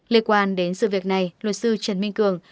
liên quan đến sự việc này luật sư trần minh cường